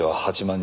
８万！？